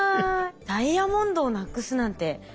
ダイヤモンドをなくすなんてとんでもないですね。